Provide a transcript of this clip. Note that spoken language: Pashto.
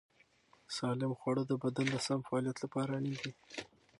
سالم خواړه د بدن د سم فعالیت لپاره اړین دي.